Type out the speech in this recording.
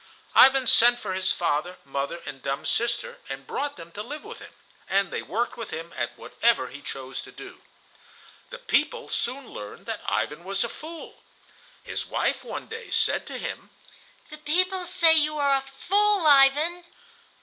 Ivan sent for his father, mother, and dumb sister, and brought them to live with him, and they worked with him at whatever he chose to do. The people soon learned that Ivan was a fool. His wife one day said to him, "The people say you are a fool, Ivan."